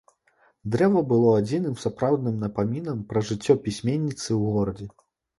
Дрэва было адзіным сапраўдным напамінам пра жыццё пісьменніцы ў горадзе.